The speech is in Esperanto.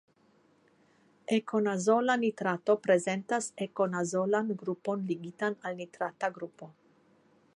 Ekonazola nitrato prezentas ekonazolan grupon ligitan al nitrata grupo.